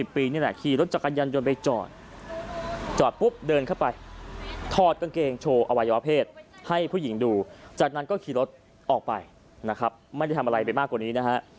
นี่แหละขี่รถจักรยานยนต์ไปจอดจอดปุ๊บเดินเข้าไปถอดกางเกงโชว์อวัยวะเพศให้ผู้หญิงดูจากนั้นก็ขี่รถออกไปนะครับไม่ได้ทำอะไรไปมากกว่านี้นะฮะ